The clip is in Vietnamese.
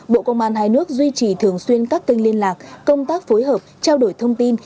bộ công an hai nước duy trì thường xuyên các kênh liên lạc công tác phối hợp trao đổi thông tin